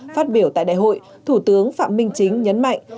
phát biểu tại đại hội thủ tướng phạm minh chính nhấn mạnh